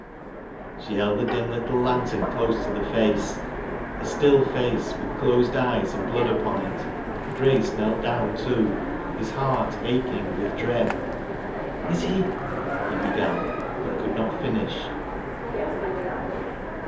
She heJd the dim little lantern close to the face, — a stilJ IN TELE PIT. 233 face with closed eyes, and blood upon it. Grace knell down too, his heart aching with dread. " Is he " he began, but could not finish.